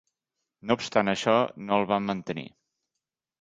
No obstant això, no el van mantenir.